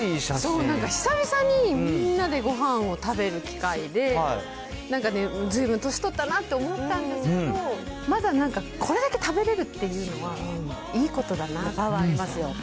そう、なんか久々にみんなでごはんを食べる機会で、なんかね、ずいぶん年取ったなって思ったんですけど、まだなんか、これだけ食べれるっていうのは、いいことだなって。